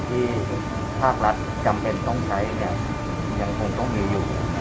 ที่ภาครัฐจำเป็นต้องใช้เนี่ยยังคงต้องมีอยู่